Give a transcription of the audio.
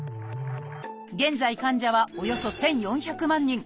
現在患者はおよそ１，４００万人。